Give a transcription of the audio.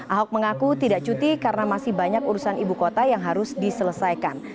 ahok mengaku tidak cuti karena masih banyak urusan ibu kota yang harus diselesaikan